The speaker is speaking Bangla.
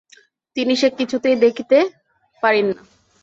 তিনি সে কিছুতেই দেখিতে পারেন না।